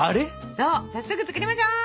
そう早速作りましょう。